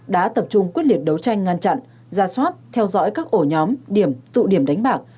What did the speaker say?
đã tập trung quyết liệt đấu tranh ngăn chặn ra soát theo dõi các ổ nhóm điểm tụ điểm đánh bạc